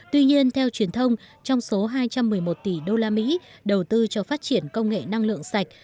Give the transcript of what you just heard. tuy nhiên theo truyền thông trong số hai trăm một mươi một tỷ đô la mỹ đầu tư cho phát triển công nghệ năng lượng sạch